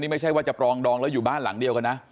ไม่ใช่ว่าจะปรองดองแล้วอยู่บ้านหลังเดียวกันนะ